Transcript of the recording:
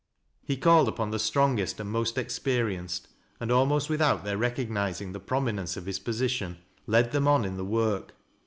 He called upon the strongest and most experienced, and almost without their recognizing the prominence of his position, led them on in the work.